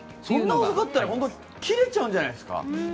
そんな細かったら切れちゃうんじゃないですか？